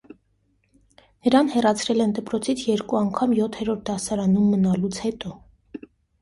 Նրան հեռացրել են դպրոցից երկու անգամ յոթերորդ դասարանում մնալուց հետո։